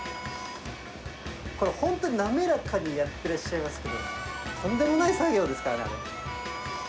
これ、本当に滑らかにやってらっしゃいますけど、とんでもない作業ですからね、これ。